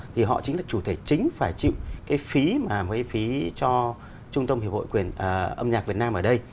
thì họ chính là chủ thể chính phải chịu cái phí mà mới phí cho trung tâm hiệp hội âm nhạc việt nam ở đây